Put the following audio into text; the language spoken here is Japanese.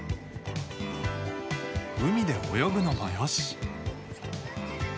海で泳ぐのもよし。